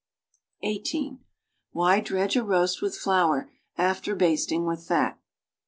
(18) Why dredge a roast with flour after basting=with fat?